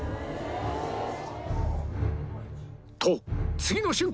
「次の瞬間？」